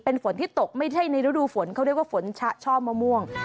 เป็นฝนที่ตกไม่ใช่ในฤดูฝนเขาเรียกว่าฝนชะช่อมะม่วง